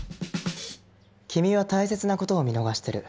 君は大切な事を見逃してる。